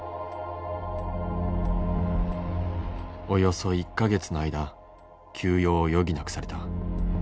およそ１か月の間休養を余儀なくされた。